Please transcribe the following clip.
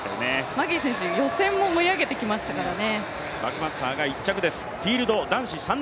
マギ選手、予選も追い上げてきましたからね。